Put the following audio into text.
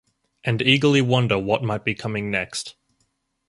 And eagerly wonder what might be coming next.